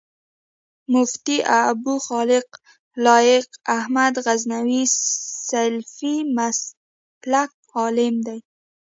مفتي ابوخالد لائق احمد غزنوي سلفي مسلک عالم دی